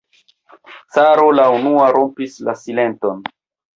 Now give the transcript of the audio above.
Caro la unua rompis la silenton.